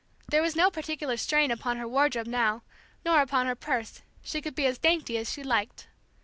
There was no particular strain upon her wardrobe now, nor upon her purse; she could be as dainty as she liked.